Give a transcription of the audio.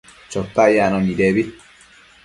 Chotac yacno nidebi